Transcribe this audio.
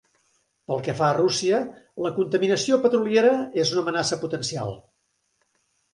Pel que fa a Rússia, la contaminació petroliera és una amenaça potencial.